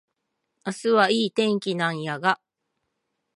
明日はいい天気なんやが